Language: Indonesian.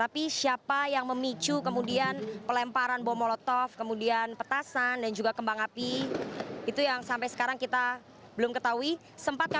ada yang melempar batu kita lihat baru saja